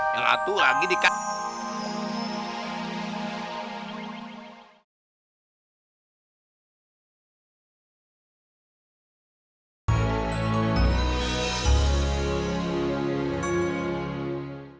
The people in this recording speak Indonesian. ratu lagi dikacau